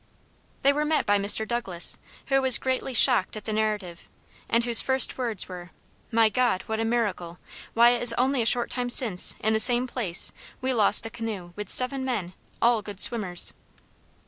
They were met by Mr. Douglas, who was greatly shocked at the narrative, and whose first words were, "My God! what a miracle! Why, it is only a short time since, in the same place, we lost a canoe, with seven men, all good swimmers."